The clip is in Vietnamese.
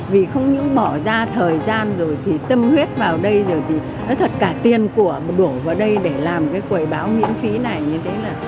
vì không những bỏ ra thời gian rồi thì tâm huyết vào đây rồi thì nói thật cả tiền của đổ vào đây để làm cái quầy báo miễn phí này như thế này